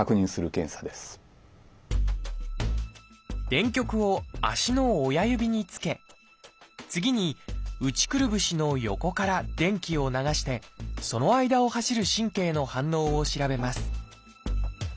電極を足の親指につけ次に内くるぶしの横から電気を流してその間を走る神経の反応を調べます